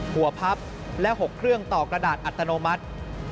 พับและ๖เครื่องต่อกระดาษอัตโนมัติ